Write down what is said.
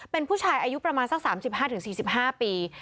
เป็นผู้ชายอายุประมาณสัก๓๕๔๕ปี